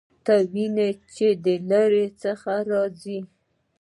تا وینم چې د لیرې څخه راځې